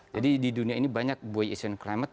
jadi di dunia ini banyak bui ocean climate